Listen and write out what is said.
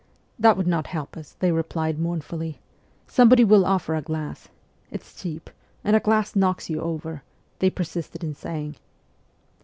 ' That would not help us,' they replied mournfully ;' somebody will offer a glass ... it's cheap, ... and a glass knocks you over !' they persisted in saying.